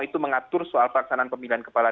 itu mengatur soal pelaksanaan pemilihan kepala